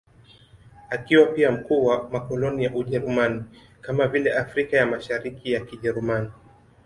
Akiwa pia mkuu wa makoloni ya Ujerumani, kama vile Afrika ya Mashariki ya Kijerumani.